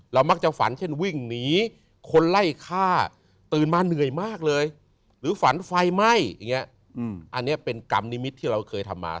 มักจะฝันเช่นวิ่งหนีคนไล่ฆ่าตื่นมาเหนื่อยมากเลยหรือฝันไฟไหม้อย่างนี้อันนี้เป็นกรรมนิมิตที่เราเคยทำมา